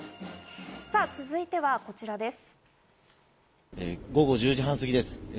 続いてはこちらです。